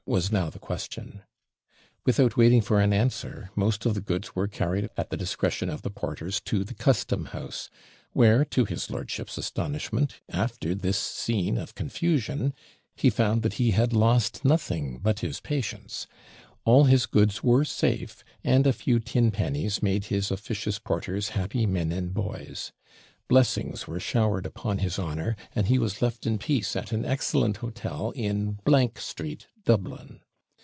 was now the question. Without waiting for an answer, most of the goods were carried at the discretion of the porters to the custom house, where, to his lordship's astonishment, after this scene of confusion, he found that he had lost nothing but his patience; all his goods were safe, and a few TINPENNIES made his officious porters happy men and boys; blessings were showered upon his honour, and he was left in peace at an excellent hotel in Street, Dublin.